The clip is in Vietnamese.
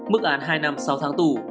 mức án hai năm sáu tháng tù